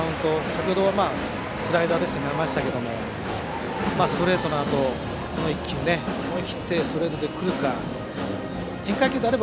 先ほどはスライダーでしたがストレートのあと、この１球思い切ってストレートで来るか。